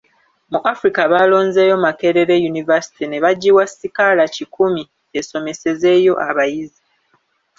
Mu Africa baalonzeeyo Makerere University ne bagiwa sikaala kikumi esomesezeeyo abayizi.